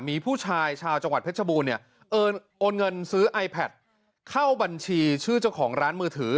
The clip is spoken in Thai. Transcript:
มีผู้ชายชาวจังหวัดเพชรบูรณ์เนี่ยโอนเงินซื้อไอแพทเข้าบัญชีชื่อเจ้าของร้านมือถือ